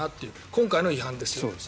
今回の違反ですよ。